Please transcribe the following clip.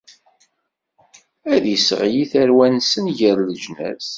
Ad isseɣli tarwa-nsen gar leǧnas.